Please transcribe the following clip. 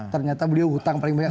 ternyata beliau hutang paling banyak